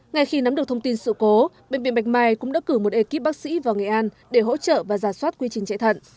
ngay khi nắm được thông tin sự cố bệnh viện bạch mai cũng đã cử một ekip bác sĩ vào nghệ an để hỗ trợ và giả soát quy trình chạy thận